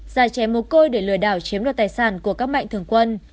giả chém một côi để lừa đảo chiếm luật tài sản của các mạng thường quân